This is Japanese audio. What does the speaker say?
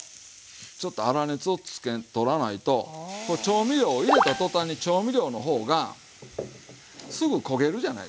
ちょっと粗熱を取らないと調味料を入れた途端に調味料の方がすぐ焦げるじゃないですか。